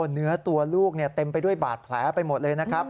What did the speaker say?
เนื้อตัวลูกเต็มไปด้วยบาดแผลไปหมดเลยนะครับ